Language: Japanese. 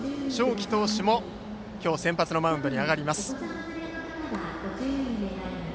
己投手が今日先発のマウンドに上がります。